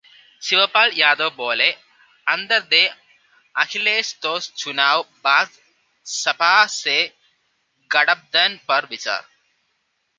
शिवपाल यादव बोले- आदर दें अखिलेश तो चुनाव बाद सपा से गठबंधन पर विचार